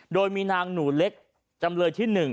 โดยมีนางหนูเล็กจำเลยที่๑